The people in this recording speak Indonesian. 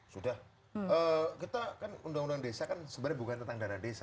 sudah kita kan undang undang desa kan sebenarnya bukan tentang dana desa